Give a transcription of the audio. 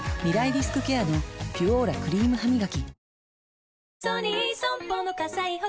リスクケアの「ピュオーラ」クリームハミガキ